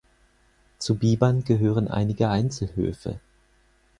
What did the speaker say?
Zu Bibern gehören einige Einzelhöfe.